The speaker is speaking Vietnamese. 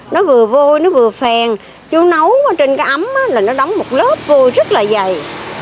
nó vừa vô nó vừa phèn chú nấu trên cái ấm là nó đóng một lớp vô rất là dày